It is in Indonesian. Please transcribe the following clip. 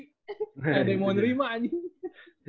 nggak ada yang mau nerima anjir